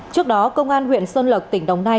trước đó công an huyện xuân lộc tỉnh đồng nai